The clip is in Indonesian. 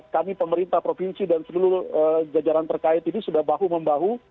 kami pemerintah provinsi dan seluruh jajaran terkait ini sudah bahu membahu